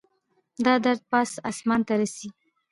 دا درد پاس اسمان ته رسي